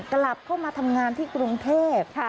กลับเข้ามาทำงานที่กรุงเทพ